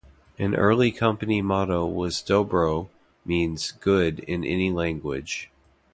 An early company motto was Dobro means good in any language.